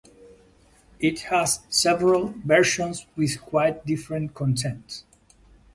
It has several versions with quite different content.